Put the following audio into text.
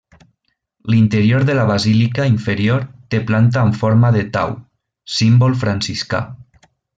L'interior de la basílica inferior té planta amb forma de Tau, símbol franciscà.